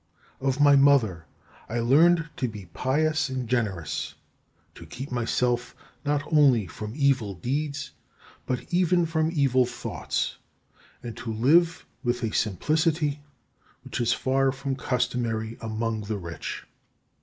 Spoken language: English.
3. Of my mother I learned to be pious and generous; to keep myself not only from evil deeds, but even from evil thoughts; and to live with a simplicity which is far from customary among the rich.